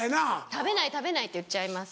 食べない食べないって言っちゃいます